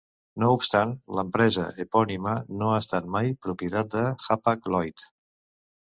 No obstant, l'empresa epònima no ha estat mai propietat de Hapag-Lloyd.